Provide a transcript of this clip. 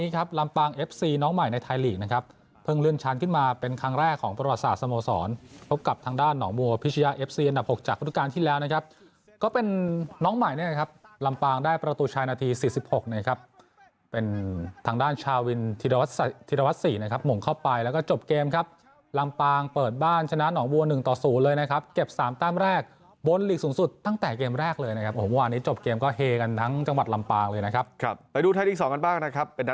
ก็เป็นน้องใหม่เนี่ยครับลำปางได้ประตูชัยนาที๔๖นะครับเป็นทางด้านชาวินธิรวัสสี่นะครับมุ่งเข้าไปแล้วก็จบเกมครับลำปางเปิดบ้านชนะหนองวัวหนึ่งต่อสูงเลยนะครับเก็บสามตั้งแรกบ้นหลีกสูงสุดตั้งแต่เกมแรกเลยนะครับวันนี้จบเกมก็เฮกันทั้งจังหวัดลำปางเลยนะครับครับไปดูท่ายที่สองกันบ้างนะครับเป็นนั